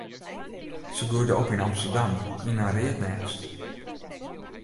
Se groeide op yn Amsterdam yn in read nêst.